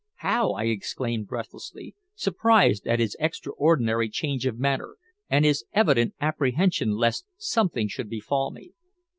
"How?" I exclaimed breathlessly, surprised at his extraordinary change of manner and his evident apprehension lest something should befall me.